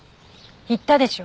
言ったでしょ。